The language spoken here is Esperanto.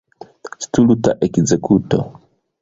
Stulta ekzekuto!